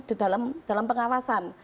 di dalam pengawasan